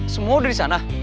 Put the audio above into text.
semua udah di sana